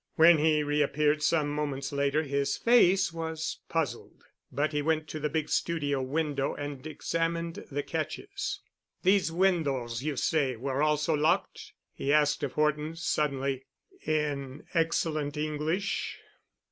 When he reappeared some moments later his face was puzzled. But he went to the big studio window and examined the catches. "These windows you say were also locked?" he asked of Horton suddenly, in excellent English.